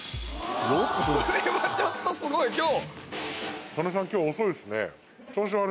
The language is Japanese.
これはちょっとすごい今日。